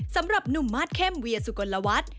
สำหรับหนุ่มมาสเข้มเวียสุกลวัฒน์